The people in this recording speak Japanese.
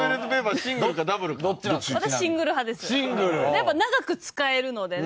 やっぱ長く使えるのでね。